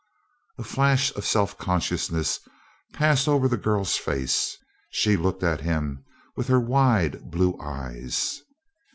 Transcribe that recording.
A flash of self consciousness passed over the girl's face; she looked at him with her wide blue eyes.